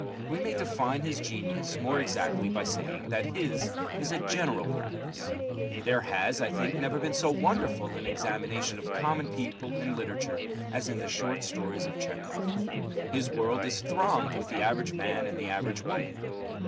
We may define his genius more exactly by saying that his is a general practice. There has, I think, never been so wonderful an examination of common people in literature as in the short stories of Tchehov. His world is thronged with the average man and the average woman.